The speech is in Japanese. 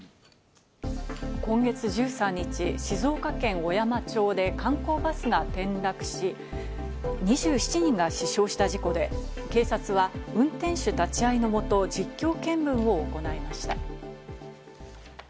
今月１３日、静岡県小山町で観光バスが転落し、２７人が死傷した事故で、警察は運転手立ち会いのもと、実況見分を行いました。